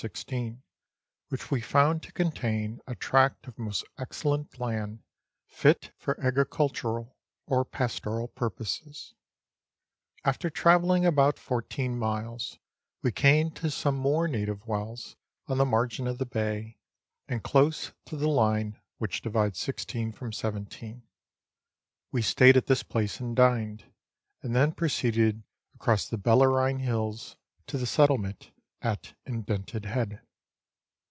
16, which we found to contain a tract of most excellent land, fit for agricultural or pastoral purposes. After travelling about fourteen miles, we came to some more native wells on the margin of the bay, and close to the line which divides 16 from 17. We stayed at this place and dined, and then proceeded across the Bellarine Hills to the settlement at Indented Head.